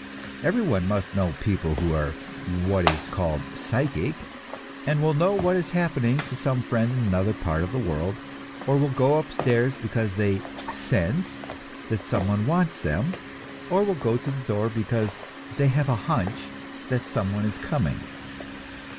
Every one must know people who are what is called "psychic," and will know what is happening to some friend in another part of the world, or will go upstairs because they "sense" that some one wants them, or will go to the door because they "have a hunch" that some one is coming.